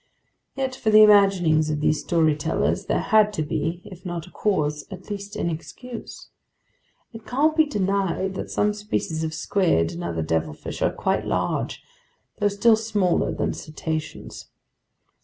Yet for the imaginings of these storytellers there had to be, if not a cause, at least an excuse. It can't be denied that some species of squid and other devilfish are quite large, though still smaller than cetaceans.